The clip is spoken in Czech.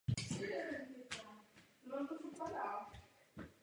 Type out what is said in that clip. Na tiskové konferenci označil jeho vraždu za teroristický čin.